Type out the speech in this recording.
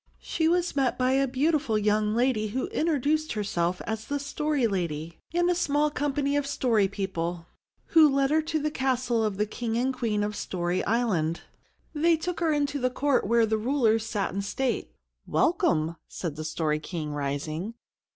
She was met by a beautiful young lady, who introduced herself as the Story Lady, and a small company of story people, who led her to the castle of the King and Queen of Story Island. They took her into the court, where the rulers sat in state. "Welcome!" said the Story King, rising.